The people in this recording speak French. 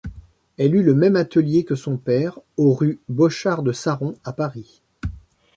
Elle eut le même atelier que son père au rue Bochart-de-Saron à Paris.